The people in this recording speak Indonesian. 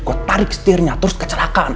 kok tarik setirnya terus kecelakaan